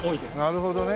なるほどね。